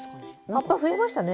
葉っぱ増えましたね！